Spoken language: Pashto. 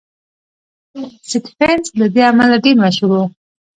سټېفنس له دې امله ډېر مشهور شوی و.